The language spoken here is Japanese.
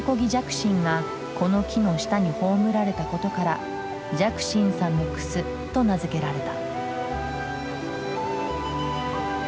心がこの木の下に葬られたことから「寂心さんのクス」と名付けられた。